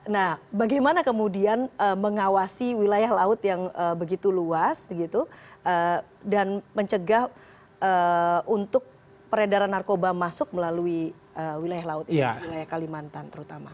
nah bagaimana kemudian mengawasi wilayah laut yang begitu luas dan mencegah untuk peredaran narkoba masuk melalui wilayah laut ini wilayah kalimantan terutama